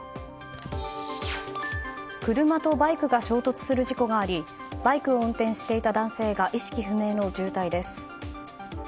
車とバイクが衝突する事故がありバイクを運転していた男性が意識不明の重体です。